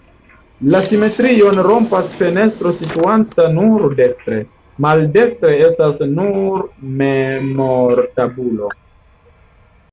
La simetrion rompas fenestro situanta nur dekstre, maldekstre estas nur memortabulo.